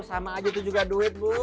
sama aja itu juga duit bu